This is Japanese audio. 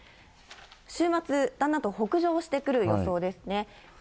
週末、だんだんと北上してくる予想ですね。